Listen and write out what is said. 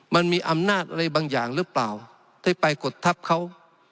มันมีอำนาจอะไรบางอย่างหรือเปล่าที่ไปกดทับเขา